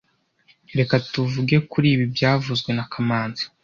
Reka tuvuge kuri ibi byavuzwe na kamanzi